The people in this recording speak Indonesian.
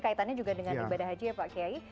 kaitannya juga dengan ibadah haji ya pak kiai